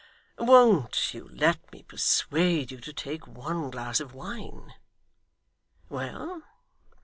WON'T you let me persuade you to take one glass of wine? Well!